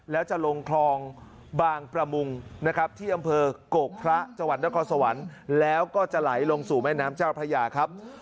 แล้วจะลงคลองบางประมุงนะครับที่อำเภอกกพรจดแล้วก็จะไหลลงสู่ม่ายน้ำเจ้าพญาครับ